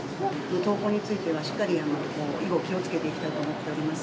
投稿については、しっかり以後、気をつけていきたいと思っております。